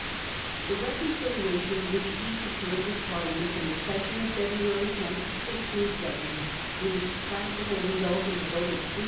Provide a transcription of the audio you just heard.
185 The reconciliation which lie secured with Parliament in the session of February 10, 1670, with its practical result in the vote of 300,000